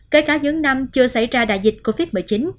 kể cả những năm chưa xảy ra đại dịch covid một mươi chín